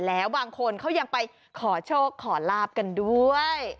แล้วบางคนเขายังไปขอโชคขอลาบกันด้วย